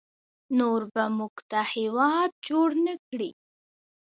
نور به موږ ته هیواد جوړ نکړي